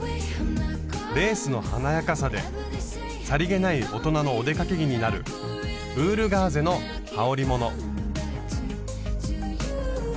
レースの華やかさでさりげない大人のお出かけ着になるウールガーゼのはおりもの。